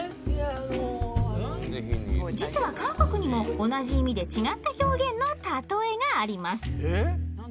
実は韓国にも同じ意味で違った表現のたとえがあります